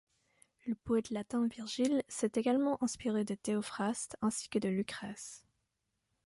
Le poète latin Virgile s'est également inspiré de Théophraste, ainsi que de Lucrèce.